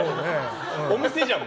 お店じゃん。